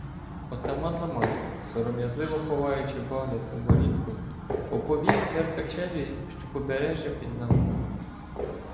Отаман Мамай, сором'язливо ховаючи погляд у борідку, оповів Деркачеві, що Побережжя підвело.